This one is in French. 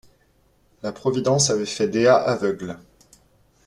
La providence avait fait Dea aveugle.